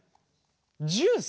ジュース？